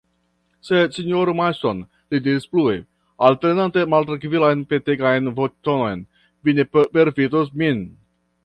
Sed, sinjoro Marston, li diris plue, alprenante maltrankvilan, petegantan voĉtonon, vi ne perfidos min?